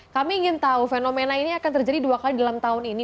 kami ingin tahu fenomena ini akan terjadi dua kali dalam tahun ini